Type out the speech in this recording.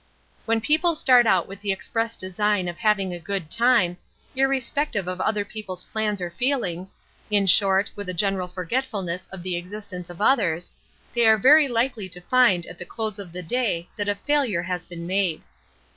When people start out with the express design of having a good time, irrespective of other people's plans or feelings in short, with a general forgetfulness of the existence of others they are very likely to find at the close of the day that a failure has been made.